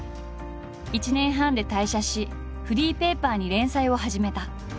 １年半で退社しフリーペーパーに連載を始めた。